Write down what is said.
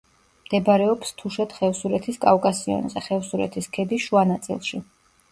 მდებარეობს თუშეთ-ხევსურეთის კავკასიონზე, ხევსურეთის ქედის შუა ნაწილში.